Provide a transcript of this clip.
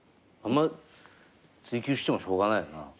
あんま追及してもしょうがないよな。